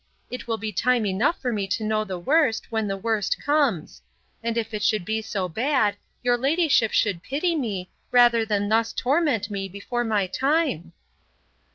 It will be time enough for me to know the worst, when the worst comes. And if it should be so bad, your ladyship should pity me, rather than thus torment me before my time.